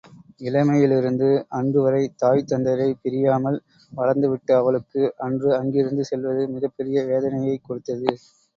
இளமையிலிருந்து அன்றுவரை தாய் தந்தையரைப் பிரியாமல் வளர்ந்துவிட்ட அவளுக்கு, அன்று அங்கிருந்து செல்வது மிகப் பெரிய வேதனையைக் கொடுத்தது.